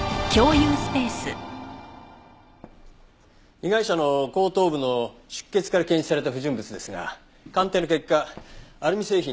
被害者の後頭部の出血から検出された不純物ですが鑑定の結果アルミ製品の下処理剤でした。